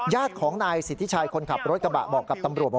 ญาติของนายสิทธิชัยคนขับรถกระบะบอกกับตำรวจว่า